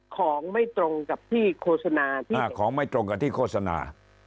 ของไม่ตรงกับที่โฆษณาที่ของไม่ตรงกับที่โฆษณา